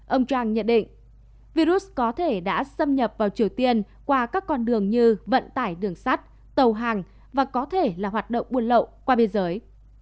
ông trump nhận định virus có thể đã xâm nhập vào triều tiên qua các con đường như vận tải đường sắt tàu hàng và có thể là hoạt động buôn lậu qua biên giới